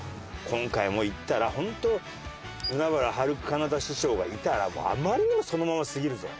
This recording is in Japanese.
今回も行ったらホント海原はるか・かなた師匠がいたらもうあまりにもそのまますぎるぞ。